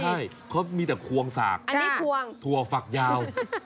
ใช่เขามีแต่ควงสากอันนี้ควงถั่วฝักยาว